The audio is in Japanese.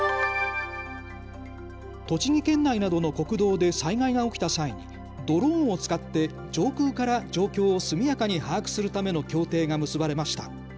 栃木県内などの国道で災害が起きた際にドローンを使って上空から状況を速やかに把握するための協定が結ばれました。